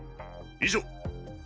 以上！